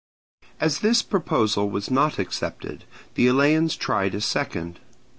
As this proposal was not accepted, the Eleans tried a second.